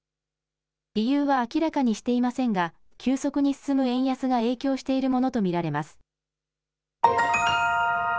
理由は明らかにしていませんが、急速に進む円安が影響しているものと見られます。